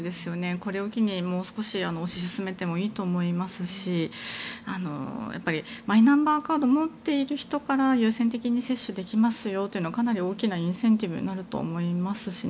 これを機にもう少し推し進めてもいい気もしますしマイナンバーカードを持っている人から優先的に接種できますよというのはかなり大きなインセンティブになると思いますしね。